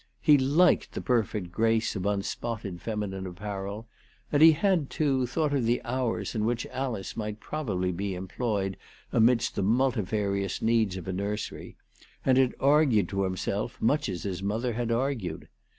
He liked the perfect grace of unspotted feminine apparel, and he had, too, thought of the hours in which Alice might pro bably be employed amidst the multifarious needs of a nursery, and had argued to himself much as his mother had argued.